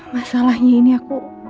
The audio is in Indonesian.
masalahnya ini aku